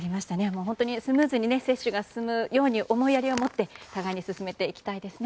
スムーズに接種が進むように思いやりを持ってお互いに進めていきたいですね。